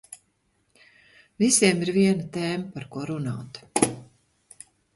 Visiem ir viena tēma par ko runāt.